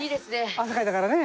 汗かいたからね。